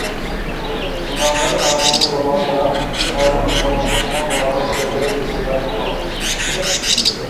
مۇنەۋۋەر تارىخىي رومانلار مۇنەۋۋەر رومانچىلىقنىڭ مۇۋەپپەقىيەتلىرىگە يىلتىز تارتقان.